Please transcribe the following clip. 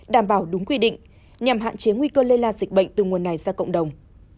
đảm bảo đúng quy định nhằm hạn chế nguy cơ lây lan dịch bệnh từ nguồn này ra cộng đồng